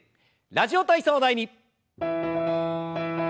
「ラジオ体操第２」。